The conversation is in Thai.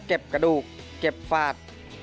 ก็เก็บกระดูกเก็บฟาด